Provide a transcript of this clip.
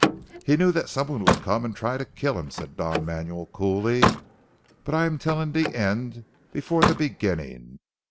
"He knew that someone would come and try to kill him," said Don Manuel coolly, "but I am telling the end before the beginning.